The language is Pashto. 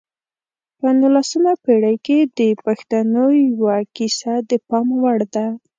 په نولسمه پېړۍ کې د پښتنو یوه کیسه د پام وړ ده.